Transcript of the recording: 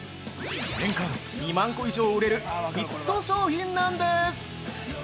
年間２万個以上売れるヒット商品なんです！